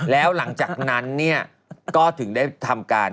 แล้วหลังจากนั้นเนี่ยก็ถึงได้ทำการ